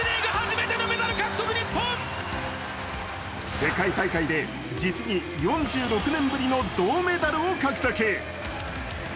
世界大会で実に４６年ぶりの銅メダル獲得。